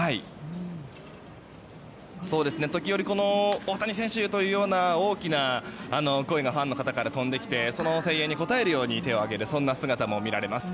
時折大谷選手！というような大きな声がファンの方から飛んできてその声援に応えるように手を上げる姿も見られます。